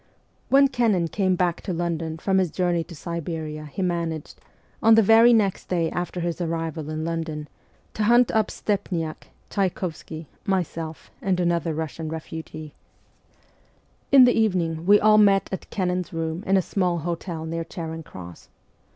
When Kennan came back to London from his journey to Siberia he managed, on the very next day after his arrival in London, to hunt up Stepniak, Tchayk6vsky, myself, and another Eussian refugee. In p 2 212 MEMOIRS OF A REVOLUTIONIST the evening we all met at Kennan's room in a small hotel near Charing Cross.